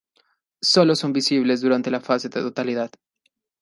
Sólo son visibles durante la fase de totalidad.